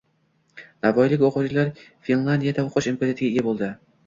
Navoiylik o‘quvchilar Finlyandiyada o‘qish imkoniyatiga ega bo‘ldi